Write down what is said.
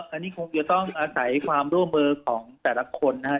อันนี้คงจะต้องอาศัยความร่วมมือของแต่ละคนนะครับ